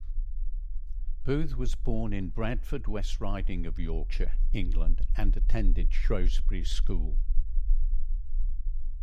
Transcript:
Booth was born in Bradford, West Riding of Yorkshire, England and attended Shrewsbury School.